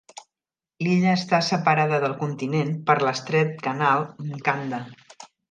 L'illa està separada del continent per l'estret canal "Mkanda".